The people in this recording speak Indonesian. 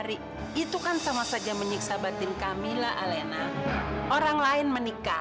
ibu seperti sudah tidak dianggap